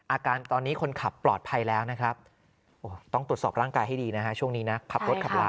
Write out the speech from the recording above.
อาการตอนนี้คนขับปลอดภัยแล้วนะครับ